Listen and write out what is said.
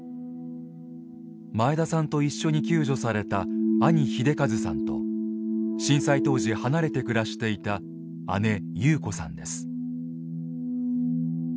前田さんと一緒に救助された兄秀和さんと震災当時離れて暮らしていた姉優子さんです。